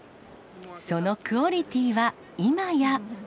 そのクオリティーは今や。